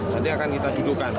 nanti akan kita dudukan